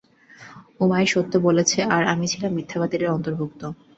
উমাইর সত্য বলেছে আর আমি ছিলাম মিথ্যাবাদীদের অর্ন্তভূক্ত।